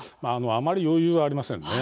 あまり余裕はありませんね。